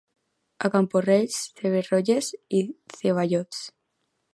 A Camporrells, cebes roges i ceballots.